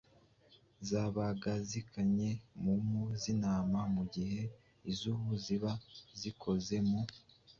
zabaga zikannye mu mpu z’intama mu gihe iz’ubu ziba zikoze mu